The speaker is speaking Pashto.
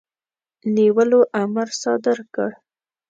نیولو امر صادر کړ.